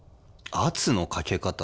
圧のかけ方。